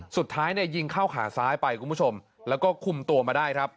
สุดท้ายเนี่ยยิงเข้าขาซ้ายไปคุณผู้ชมแล้วก็คุมตัวมาได้ครับ